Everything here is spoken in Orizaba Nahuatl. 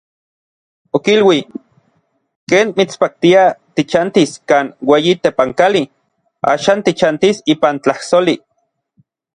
Okilui: "Ken mitspaktia tichantis kan ueyi tepankali, axan tichantis ipan tlajsoli".